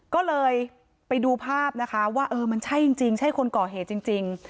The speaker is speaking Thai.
ก็เลยไปดูภาพนะคะว่าเออมันใช่จริงใช่คนก่อเหตุจริง